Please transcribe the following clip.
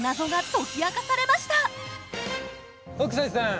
北斎さん